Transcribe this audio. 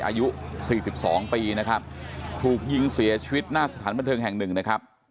อายุ๔๒ปีนะครับถูกยิงเสียชีวิตหน้าสถานบันเทิงแห่งหนึ่งนะครับ